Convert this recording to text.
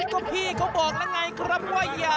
ก็พี่เขาบอกล่ะไงครับว่าอย่า